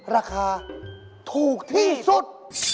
ราคาถูกที่สุด